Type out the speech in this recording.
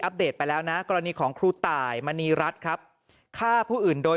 เดตไปแล้วนะกรณีของครูตายมณีรัฐครับฆ่าผู้อื่นโดย